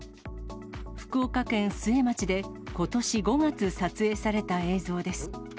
福岡県須恵町でことし５月、撮影された映像です。